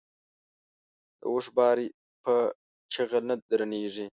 د اوښ بار په چيغل نه درنېږي.